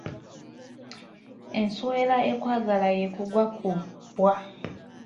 Ensowera ekwagala y'ekugwa ku bbwa.